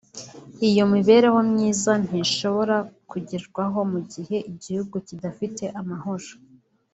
Iyo mibereho myiza ntishobora kugerwaho mu gihe igihugu kidafite amahoro